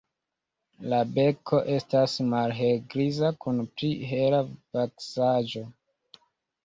La beko estas malhelgriza kun pli hela vaksaĵo.